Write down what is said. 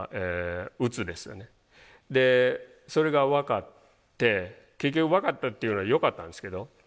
でそれが分かって結局分かったっていうのはよかったんですけど。